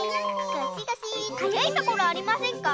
かゆいところありませんか？